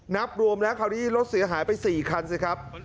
นับรวมแล้วคราวนี้รถเสียหายไป๔คันสิครับ